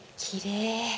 きれい。